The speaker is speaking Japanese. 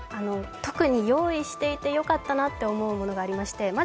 特に用意していてよかったなと思うものがありまして